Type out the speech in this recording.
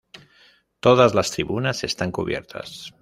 Todas las tribunas están cubiertas.